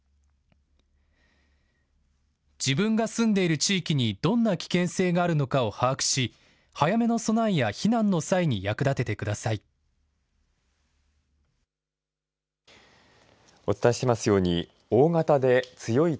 自分が住んでいる地域にどんな危険性があるのかを把握し早めの備えや避難の際に役立ててください。